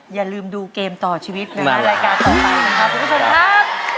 อย่าลืมดูเกมต่อชีวิตเวลาได้รายการพบกันครึกคุณผู้ชมครับ